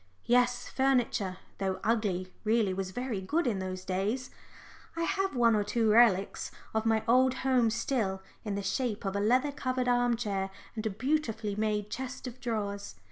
Yes, furniture, though ugly, really was very good in those days I have one or two relics of my old home still, in the shape of a leather covered arm chair and a beautifully made chest of drawers.